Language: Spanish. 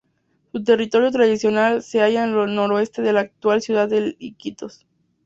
Su territorio tradicional se hallaba al noroeste de la actual ciudad de Iquitos.